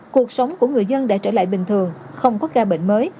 cuộc sống của người dân đã trở lại bình thường không có ca bệnh mới